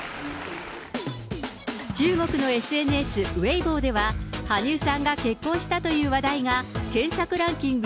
中国のＳＮＳ、ウェイボーでは、羽生さんが結婚したという話題が検索ランキング